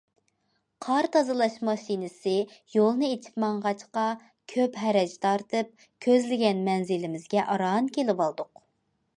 قار تازىلاش ماشىنىسى يولنى ئېچىپ ماڭغاچقا، كۆپ ھەرەج تارتىپ كۆزلىگەن مەنزىلىمىزگە ئاران كېلىۋالدۇق.